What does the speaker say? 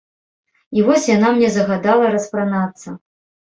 І вось яна мне загадала распранацца.